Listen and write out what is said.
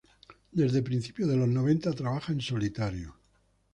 Desde principios de los noventa trabaja en solitario.